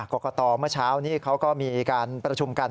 กรกตเมื่อเช้านี้เขาก็มีการประชุมกัน